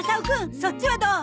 そっちはどう？